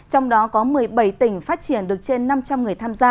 trong đó có một mươi bảy tỉnh phát triển được trên năm trăm linh người tham gia